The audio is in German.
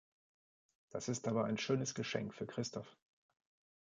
Das ist aber ein schönes Geschenk für Christoph.